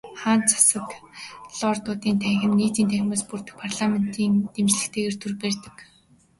Хаант засаг нь Лордуудын танхим болон Нийтийн танхимаас бүрдэх парламентын дэмжлэгтэйгээр төр барьдаг.